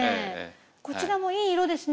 こちらもいい色ですね。